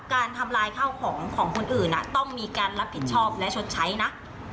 การทำลายข้าวของของคนอื่นต้องมีการรับผิดชอบและชดใช้นะ